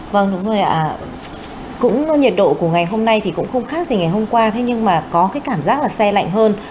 vâng đúng rồi ạ cũng nhiệt độ của ngày hôm nay thì cũng không khác gì ngày hôm qua thế nhưng mà có cái cảm giác là xe lạnh hơn